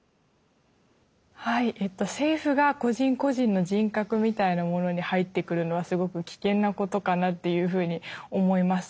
はい政府が個人個人の人格みたいなものに入ってくるのはすごく危険なことかなっていうふうに思います。